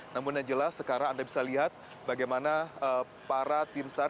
namun yang jelas sekarang anda bisa lihat bagaimana para tim sar